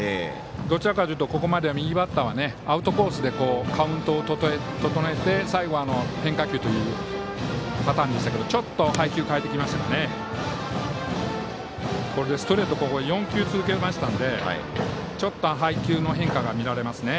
どちらかというとここまでは右バッターはアウトコースでカウントを整えて最後、変化球というパターンでしたけどちょっと配球変えてきましたかね。